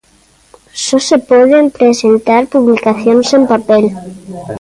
Só se poden presentar publicacións en papel.